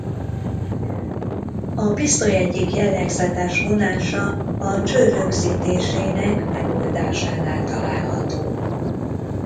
A pisztoly egyik jellegzetes vonása a cső rögzítésének megoldásánál található.